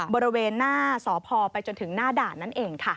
บริเวณหน้าสพไปจนถึงหน้าด่านนั่นเองค่ะ